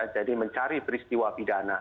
jadi mencari peristiwa pidana